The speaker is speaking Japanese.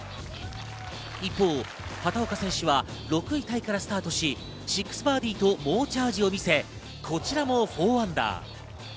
一方、畑岡選手は６位タイからスタートし、６バーディーと猛チャージを見せ、こちらも４アンダー。